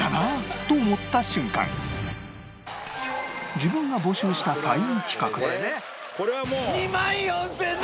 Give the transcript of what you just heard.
自分が募集したサイン企画で